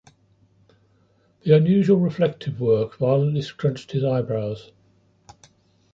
The unusual reflective work violently scrunched his eyebrows.